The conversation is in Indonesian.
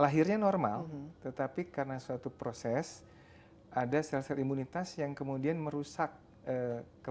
lahirnya normal tetapi karena suatu proses ada sel sel imunitas yang kemudian merusak